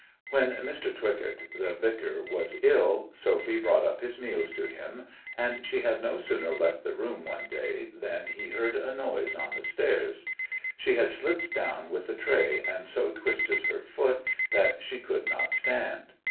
When Mr. Twycott, the vicar, was ill, Sophy brought up his meals to him, and she had no sooner left the room one day than he heard a noise on the stairs. She had slipped down with the tray, and so twisted her foot that she could not stand.